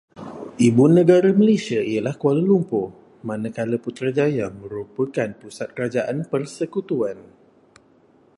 Ibu negara Malaysia ialah Kuala Lumpur, manakala Putrajaya merupakan pusat kerajaan persekutuan.